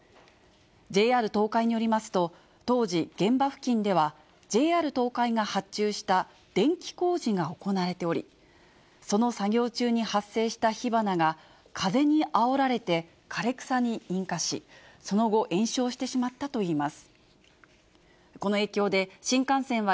ＪＲ東海によりますと、当時、現場付近ではＪＲ東海が発注した電気工事が行われており、その作業中に発生した火花が風にあおられて、枯れ草に引火し、その後、延焼してしまったといいます。